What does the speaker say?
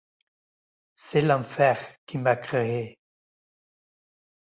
«C'est l'enfer qui m'a créé».